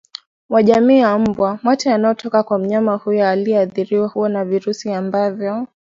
wa jamii ya mbwa Mate yanayotoka kwa mnyama huyo aliyeathiriwa huwa na virusi ambavyo